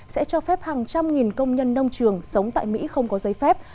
sẽ cho phép hàng trăm nghìn công nhân nông trường sống tại mỹ không có giấy phép